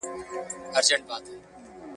زه بالا ستا سره دا کار نه کوم